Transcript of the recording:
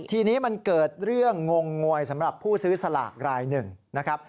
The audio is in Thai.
ทีนี้มันเกิดเรื่องงงงวยสำหรับผู้ซื้อสลากรายหนึ่งนะครับ